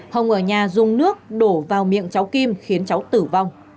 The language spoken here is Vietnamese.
hồng ở nhà dùng nước đổ vào miệng cháu kim khiến cháu tử vong